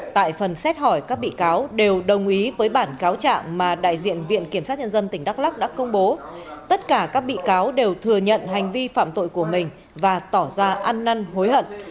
tại phần xét hỏi các bị cáo đều đồng ý với bản cáo trạng mà đại diện viện kiểm sát nhân dân tỉnh đắk lắc đã công bố tất cả các bị cáo đều thừa nhận hành vi phạm tội của mình và tỏ ra ăn năn hối hận